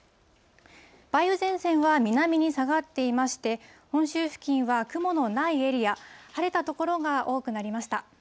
梅雨前線は南に下がっていまして、本州付近は、雲のないエリア、晴れた所が多くなりました。